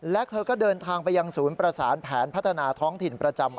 และเธอก็เดินทางไปยังศูนย์ประสานแผนพัฒนาท้องถิ่นประจำ